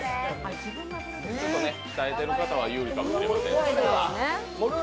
ちょっと鍛えてる方は有利かもしれません。